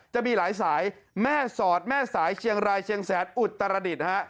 จะมีหลายสายแม่สอดแม่สายเชียงรายเชียงแสนอุตรดิษฐ์ฮะ